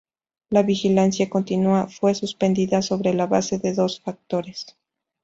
La vigilancia continua fue suspendida sobre la base de dos factores.